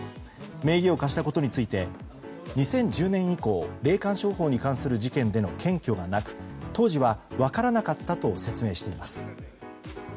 名義を貸したことについて２０１０年以降霊感商法に関する事件での検挙がなく当時は分からなかったと説明しています。